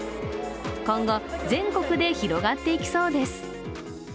今後、全国で広がっていきそうです